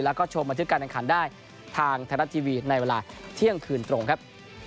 แล้วก็ชมบันทึกการแข่งขันได้ทางไทยรัฐทีวีในเวลาเที่ยงคืนตรงครับ